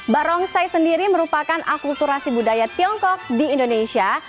barongsai sendiri merupakan akulturasi budaya tiongkok di indonesia